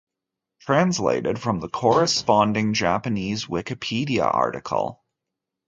"Translated from the corresponding Japanese Wikipedia article"